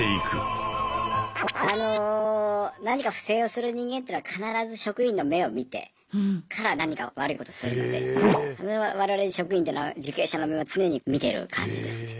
あの何か不正をする人間というのは必ず職員の目を見てから何かを悪いことするのでそれは我々職員というのは受刑者の目を常に見てる感じですね。